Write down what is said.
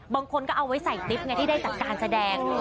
บางคนก็เอาไว้ใส่ติ๊บไงที่ได้จากการแสดง